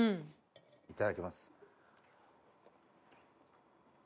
いただきます。